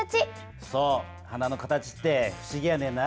そう花の形って不思議やねんな。